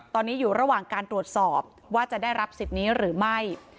ตอนนี้อยู่ระหว่างการตรวจสอบว่าจะได้รับสิทธิ์นี้หรือไม่